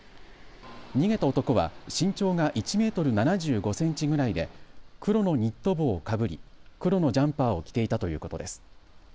逃げた男は身長が１メートル７５センチぐらいで黒のニット帽をかぶり黒のジャンパーを着ていたということです。